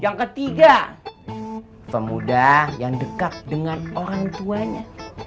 yang ketiga pemuda yang dekat dengan orang tuanya